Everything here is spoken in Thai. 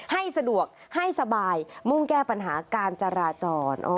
ให้สะดวกให้สบายมุ่งแก้ปัญหาการจราจร